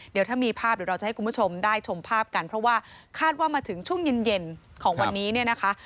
เดี๋ยวถ้ามีภาพเดี๋ยวเราจะให้คุณผู้ชมได้ชมภาพกันเพราะว่าคาดว่ามาถึงช่วงเย็นของวันนี้เนี่ยนะคะ